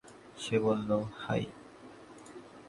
সে বলল, হায়!